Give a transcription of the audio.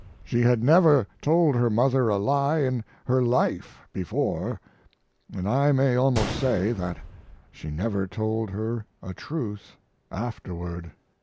She had never told her mother a lie in her life before, and I may almost say that she never told her a truth afterward.